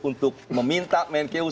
untuk meminta mnku